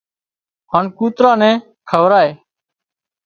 هانَ ڪوترا نين کوَرائي